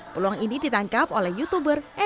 peluang ini ditangkap oleh youtuber